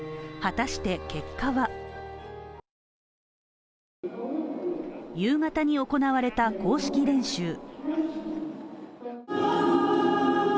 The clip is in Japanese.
果たして結果は夕方に行われた公式練習。